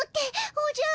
おじゃる。